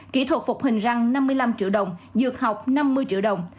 kỹ thuật phục hình răng năm mươi năm triệu đồng dược học năm mươi triệu đồng